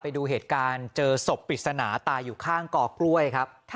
ไปดูเหตุการณ์เจอศพปริศนาตายอยู่ข้างกอกล้วยครับ